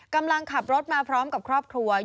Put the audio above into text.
กำลังขับรถมาพร้อมกับครอบครัว